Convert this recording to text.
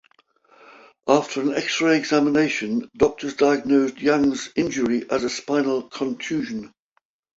After an X-ray examination, doctors diagnosed Yang's injury as a spinal contusion.